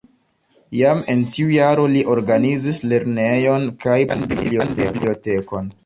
Jam en tiu jaro li organizis lernejon kaj publikan bibliotekon.